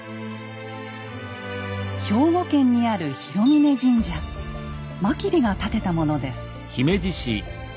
兵庫県にある真備が建てたものです。